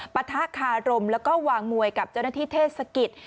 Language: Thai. ปะทะคารมแล้วก็วางมวยกับเจ้าหน้าที่เทศกิจ